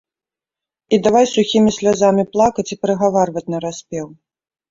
І давай сухімі слязамі плакаць і прыгаварваць нараспеў.